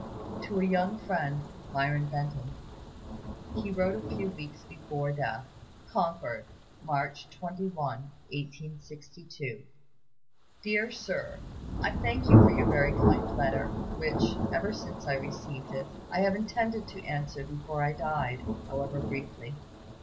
To a young friend (Myron Benton) he wrote a few weeks before death: "CONCORD, March 21, 1862. "DEAR SIR, I thank you for your very kind letter, which, ever since I received it, I have intended to answer before I died, however briefly.